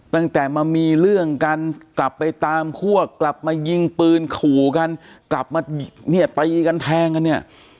ตั้งแต่มามีเรื่องกันกลับไปตามพวกกลับมายิงปืนขู่กันกลับมาเนี่ยตีกันแทงกันเนี่ย